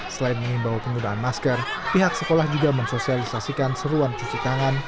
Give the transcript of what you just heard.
selain mengimbau penggunaan masker pihak sekolah juga mensosialisasikan seruan cuci tangan